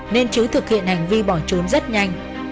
nên chứ thực hiện hành vi bỏ trốn rất nhanh